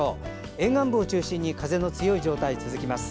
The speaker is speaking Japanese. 沿岸部を中心に風の強い状態です。